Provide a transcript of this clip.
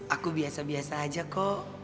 aku biasa biasa aja kok